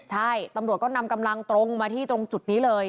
ใช่ตำรวจก็นำกำลังตรงมาที่ตรงจุดนี้เลย